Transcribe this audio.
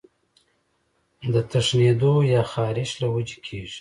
د تښنېدو يا خارښ له وجې کيږي